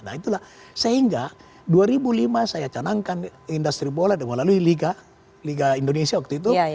nah itulah sehingga dua ribu lima saya canangkan industri bola melalui liga indonesia waktu itu